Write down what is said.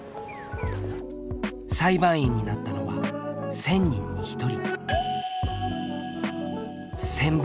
裁判員になったのは１０００人に１人。